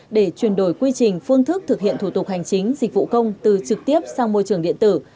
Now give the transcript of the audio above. để chuyển đổi quy trình phương thức thực hiện thủ tục hành chính dịch vụ công từ trực tiếp sang môi trường điện tử